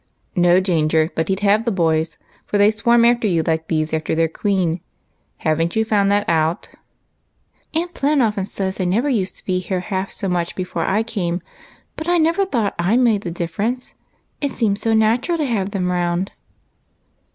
" No danger but he 'dhave the boys, for they swarm after you like bees after their queen. Have n't you found that out ?"" Aunt Plen often says they never used to be here half so much before I came, but I never thought / made the difference, it seemed so natural to have them round."